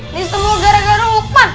ini semua gara gara upah